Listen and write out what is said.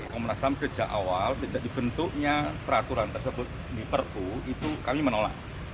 komnas ham sejak awal sejak dibentuknya peraturan tersebut di perpu itu kami menolak